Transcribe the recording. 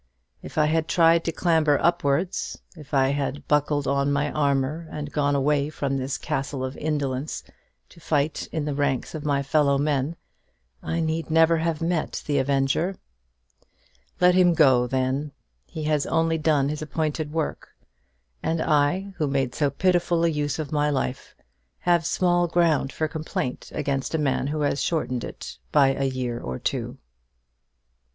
If I had tried to clamber upwards, if I had buckled on my armour, and gone away from this castle of indolence, to fight in the ranks of my fellow men, I need never have met the avenger. Let him go, then. He has only done his appointed work; and I, who made so pitiful a use of my life, have small ground for complaint against the man who has shortened it by a year or two."